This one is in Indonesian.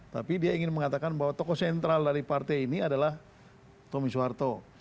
tapi dia ingin mengatakan bahwa tokoh sentral dari partai ini adalah tommy soeharto